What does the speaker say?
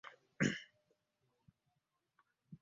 Era buli kimu kiri mu mateeka.